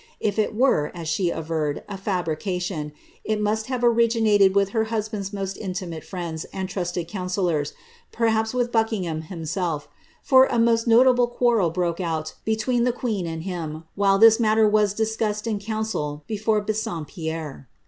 If it were, as she averred, a fabrication, it must have originated with her hosband's most intimate friends and trusted councillors, perhaps with Buckingham himself; for a most notable quarrel broke out between the queen and him, while this matter was discussed in council before Bas Nfflpierre.